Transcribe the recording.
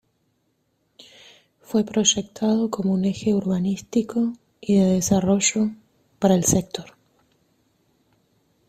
Fue proyectado como un eje urbanístico y de desarrollo para el sector.